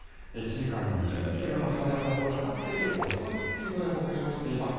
１時間に２０キロの速さと、比較的遅いスピードで北上しています。